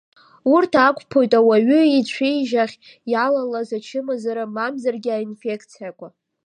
Урҭ ақәԥоит ауаҩы ицәеижь ахь иалалаз ачымазара, мамзаргьы аинфекциақәа.